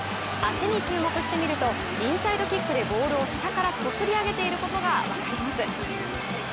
足に注目してみると、インサイドキックでボールを下からこすり上げていることが分かります。